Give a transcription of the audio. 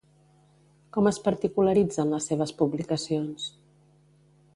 Com es particularitzen les seves publicacions?